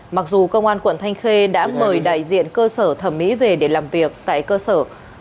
mặc dù công an quận thanh khê đã mời đại diện cơ sở thẩm mỹ về để làm việc tại cơ sở